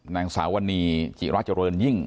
นางสาววันนีจิรัจรณยิ่ง